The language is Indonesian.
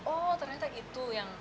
oh ternyata itu yang